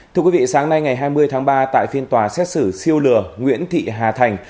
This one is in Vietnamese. thưa quý vị sáng nay ngày hai mươi tháng ba tại phiên tòa xét xử siêu lừa nguyễn thị hà thành